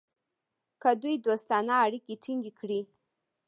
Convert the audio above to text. که دوی دوستانه اړیکې ټینګ کړي.